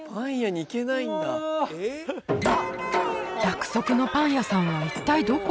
約束のパン屋さんは一体どこ？